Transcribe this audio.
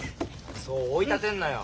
そう追い立てんなよ。